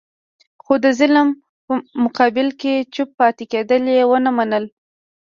خو د ظلم مقابل کې چوپ پاتې کېدل یې ونه منل.